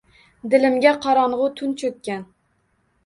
Dilimga qorong`i tun cho`kkan